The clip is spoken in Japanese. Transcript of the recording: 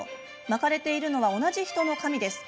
巻かれているのは同じ人の髪です。